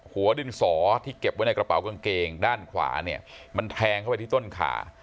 หัวดินสอที่เก็บไว้ในกระเป๋ากางเกงด้านขวาเนี่ยมันแทงเข้าไปที่ต้นขา